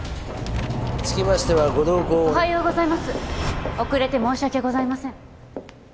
つきましてはご同行をおはようございます遅れて申し訳ございません